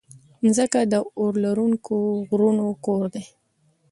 مځکه د اورلرونکو غرونو کور ده.